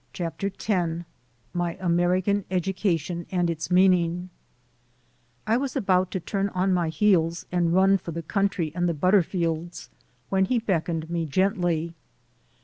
CHAPTER X MY AMERICAN EDUCATION AND ITS MEANING IWAS about to turn on my heels and run for the country and the Butterfields* when he beckoned gently.